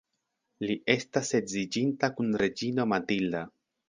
Li estas edziĝinta kun reĝino Matilda.